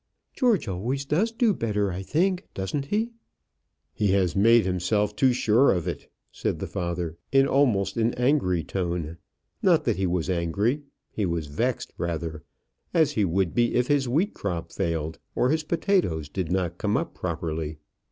"George always does do better, I think; doesn't he?" "He has made himself too sure of it," said the father, in almost an angry tone. Not that he was angry; he was vexed, rather, as he would be if his wheat crop failed, or his potatoes did not come up properly.